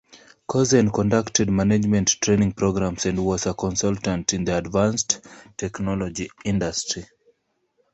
Kossen conducted management training programs and was a consultant in the advanced Technology industry.